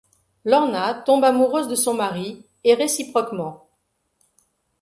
Lorna tombe amoureuse de son mari, et réciproquement.